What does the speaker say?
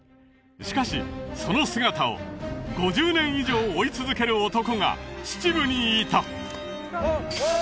しかしその姿を５０年以上追い続ける男が秩父にいたあっあ！